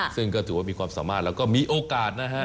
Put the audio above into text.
ซึ่งก็ถือว่ามีความสามารถแล้วก็มีโอกาสนะฮะ